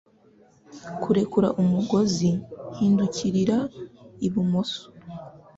Kurekura umugozi, hindukirira ibumoso.